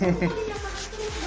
yang menuntut kayak